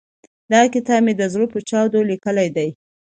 دا کتاب مې د زړه په چاود ليکلی دی.